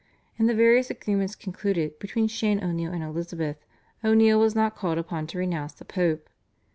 In the various agreements concluded between Shane O'Neill and Elizabeth, O'Neill was not called upon to renounce the Pope.